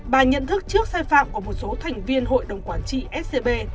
bà nhận thức trước sai phạm của một số thành viên hội đồng xét xử